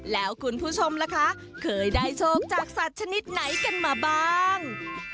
แล้วคุณผู้ชมล่ะคะเคยได้โชคจากสัตว์ชนิดไหนกันมาบ้าง